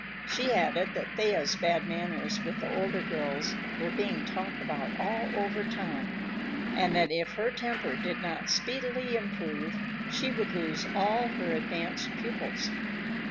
She added that Thea's bad manners with the older girls were being talked about all over town, and that if her temper did not speedily improve she would lose all her advanced pupils.